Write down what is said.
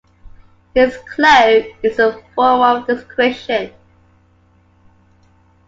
His cloak is a form of discretion.